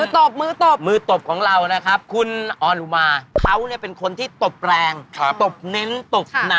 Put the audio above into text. ดูจากขุมกำลังแล้วนะครับ